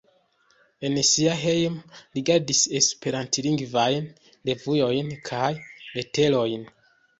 En sia hejmo li gardis esperantlingvajn revuojn kaj leterojn.